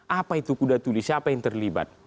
apa itu kudatuli siapa yang terlibat